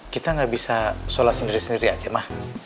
kita nggak bisa sholat sendiri sendiri aja mah